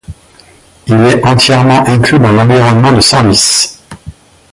Il est entièrement inclus dans l'arrondissement de Senlis.